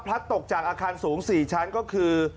ตกจากอาคารสูง๔ชั้นก็คือ